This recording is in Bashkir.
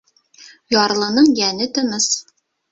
Ярлының йәне тыныс.